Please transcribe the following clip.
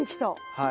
はい。